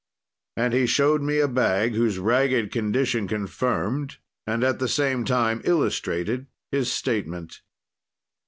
"And he showed me a bag, whose ragged condition confirmed, and at the same time illustrated his statement.